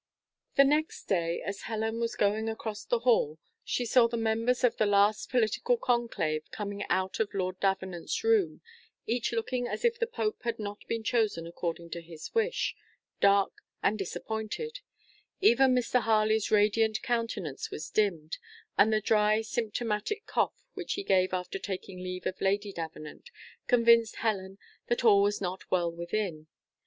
The next day, as Helen was going across the hall, she saw the members of the last political conclave coming out of Lord Davenant's room, each looking as if the pope had not been chosen according to his wish dark and disappointed; even Mr. Harley's radiant countenance was dimmed, and the dry symptomatic cough which he gave after taking leave of Lady Davenant, convinced Helen that all was not well within.